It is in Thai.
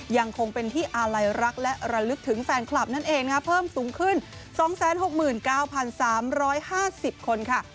ยังคงเป็นที่อาลัยรักและระลึกถึงแฟนคลับนั่นเองเพิ่มสูงขึ้น๒๖๙๓๕๐คนค่ะ